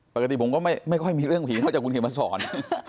ปกติผมก็ไม่ค่อยมีเรื่องผีเข้าจากคุณเขียนมาสอน